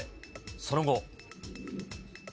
その後。